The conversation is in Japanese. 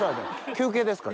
休憩ですか？